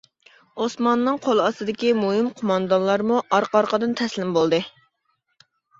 ئوسماننىڭ قول ئاستىدىكى مۇھىم قوماندانلارمۇ ئارقا-ئارقىدىن تەسلىم بولدى.